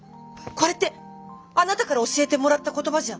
これってあなたから教えてもらった言葉じゃ。